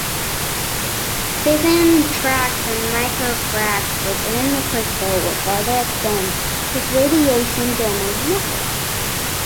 Fission tracks and micro-cracks within the crystal will further extend this radiation damage network.